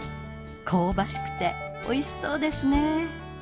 香ばしくておいしそうですね。